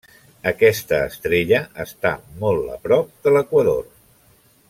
Aquesta estrella està molt a prop de l'equador.